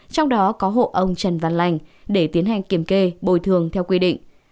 trong đó có hộ ông trần văn lành để tiến hành kiểm kê bồi thường theo quy định